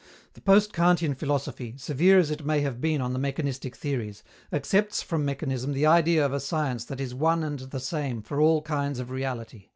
The post Kantian philosophy, severe as it may have been on the mechanistic theories, accepts from mechanism the idea of a science that is one and the same for all kinds of reality.